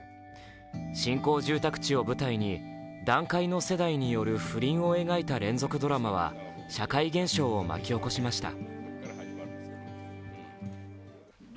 新興住宅地を舞台に団塊の世代による不倫を描いた連続ドラマは社会現象を巻き起こしました。